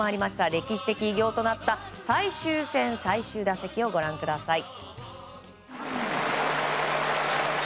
歴史的偉業となった最終戦、最終打席をご覧ください。